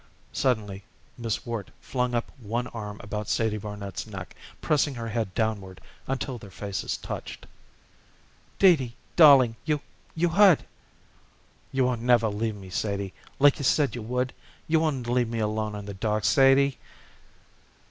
Suddenly Miss Worte flung up one arm about Sadie Barnet's neck, pressing her head downward until their faces touched. "Dee Dee darling, you you hurt." "You won't never leave me, Sadie, like you said you would? You won't leave me alone in the dark, Sadie?"